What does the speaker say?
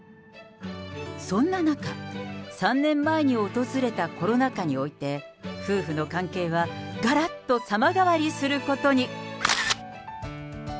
そんな中、３年前に訪れたコロナ禍において、夫婦の関係はがらっと様変わりすることに。